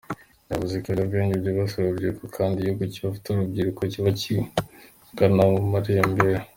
Yavuze ko ibiyobyabwenge byibasira urubyiruko kandi igihugu kidafite urubyiruko kiba kigana mu marembera.